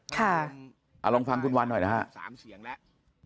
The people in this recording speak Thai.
ค่ะอ่าลองฟังคุณวันหน่อยนะฮะสามเสียงแล้ว